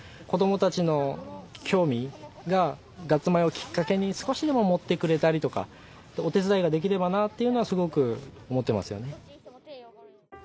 子供たちの興味がガッツ米をきっかけに少しでも持ってくれたりとかお手伝いができればなというのはすごく思ってますよね。